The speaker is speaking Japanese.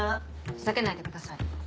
ふざけないでください。